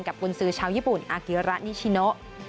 กุญสือชาวญี่ปุ่นอาเกียระนิชิโน